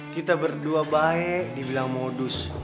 kita berdua baik dibilang modus